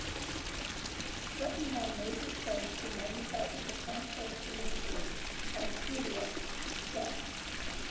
Swettenham later started to manufacture the consoles commercially as Helios desks.